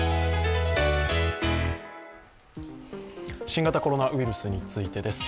新型コロナウイルスについてです。